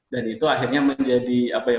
dan itu akhirnya menjadi apa ya